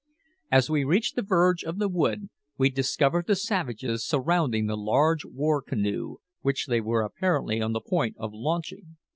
As we reached the verge of the wood we discovered the savages surrounding the large war canoe, which they were apparently on the point of launching.